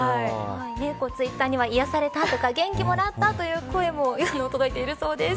ツイッターには癒やされたとか元気もらったという声も届いているそうです。